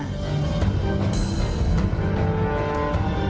โปรดติดตามตอนต่อไป